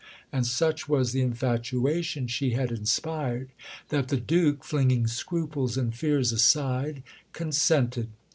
And such was the infatuation she had inspired that the Duke flinging scruples and fears aside, consented.